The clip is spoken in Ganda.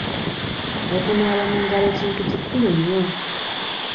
Okunaaba mu ngalo kintu kikulu nnyo.